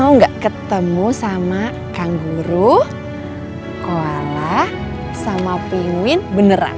reina mau gak ketemu sama kang guru koala sama pinguin beneran